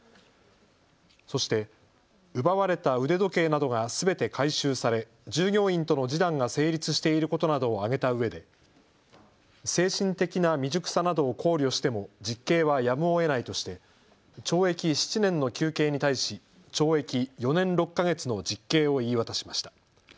そして奪われた腕時計などがすべて回収され従業員との示談が成立していることなどを挙げたうえで精神的な未熟さなどを考慮しても実刑はやむをえないとして懲役７年の求刑に対し懲役４年６か月の実刑を言い渡しました。